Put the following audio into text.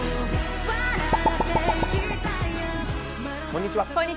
こんにちは。